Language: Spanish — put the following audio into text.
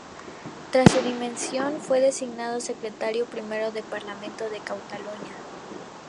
Tras su dimisión, fue designado secretario primero del Parlamento de Cataluña.